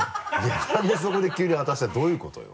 なんでそこで急に私だってどういうことよ？